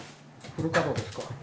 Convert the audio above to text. フル稼働ですか。